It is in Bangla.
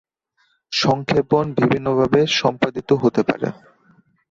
সংক্ষেপণ বিভিন্নভাবে সম্পাদিত হতে পারে।